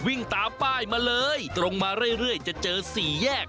วิ่งตามป้ายมาเลยตรงมาเรื่อยจะเจอสี่แยก